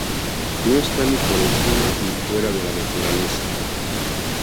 No está ni por encima ni fuera de la naturaleza.